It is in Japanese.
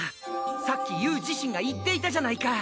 さっきユー自身が言っていたじゃないか。